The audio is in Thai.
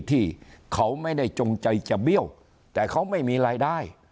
ที่เขาไม่ได้จงใจจะเบี้ยวแต่เขาไม่มีรายได้